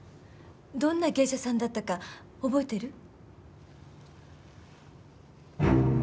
どんな芸者さんだったか覚えてる？